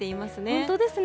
本当ですね。